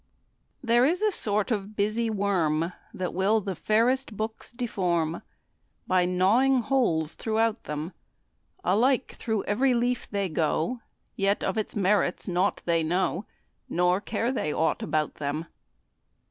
THERE is a sort of busy worm That will the fairest books deform, By gnawing holes throughout them; Alike, through every leaf they go, Yet of its merits naught they know, Nor care they aught about them.